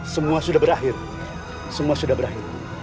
semua sudah berakhir semua sudah berakhir